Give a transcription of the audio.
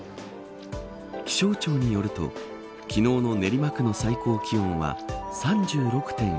気象庁によると昨日の練馬区の最高気温は３６．４度。